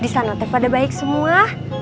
di sana te pada baik semua